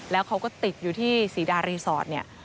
แล้วเขาก็ติดอยู่ที่ศรีดารีสอร์ทเนี่ย